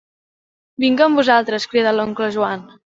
Vinc amb vosaltres, crida l'oncle Joan.